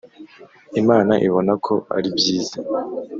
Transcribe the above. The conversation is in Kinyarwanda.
Imana ibona ko ari byiza.